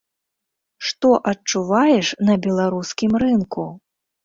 Што адчуваеш на беларускім рынку?